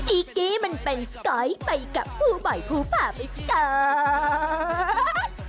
อีกี้มันเป็นสก๊อตไปกับผู้บ่อยผู้ผ่าไปสก๊อต